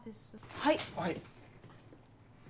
はい。